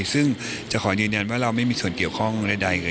ซึ่งจะขอยืนยันว่าเราไม่มีส่วนเกี่ยวข้องใดเลย